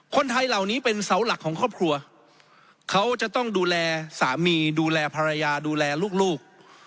คนไทยเหล่านี้เป็นเสาหลักของครอบครัวเขาจะต้องดูแลสามีดูแลภรรยาดูแลลูก